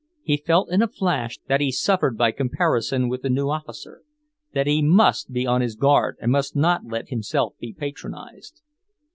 He felt in a flash that he suffered by comparison with the new officer; that he must be on his guard and must not let himself be patronized.